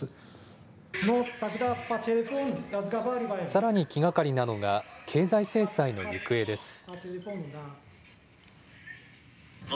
さらに気がかりなのが経済制裁の行方です。